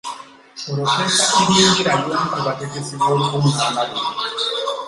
Polofeesa Ibingira y’omu ku bategesi b’olukungaana luno.